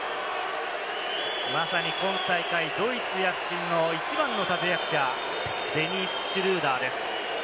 まさに今大会、ドイツ躍進の一番の立役者・シュルーダーです。